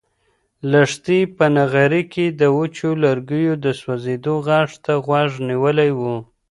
لښتې په نغري کې د وچو لرګیو د سوزېدو غږ ته غوږ نیولی و.